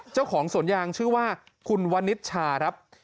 เจ้าของสวนยางชื่อว่าคุณวันนิชชาครับ